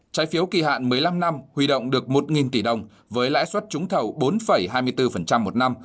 trái phiếu kỳ hạn một mươi năm năm huy động được một tỷ đồng với lãi suất trúng thầu bốn hai mươi bốn một năm